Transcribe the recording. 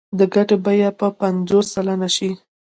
د ګټې بیه به پنځوس سلنه شي